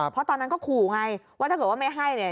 เพราะตอนนั้นก็ขู่ไงว่าถ้าเกิดว่าไม่ให้เนี่ย